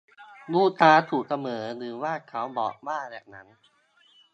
ลูกค้าถูกเสมอ หรือว่าเขาบอกว่าแบบนั้น